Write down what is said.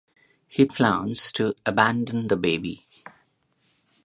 He plans to abandon the baby.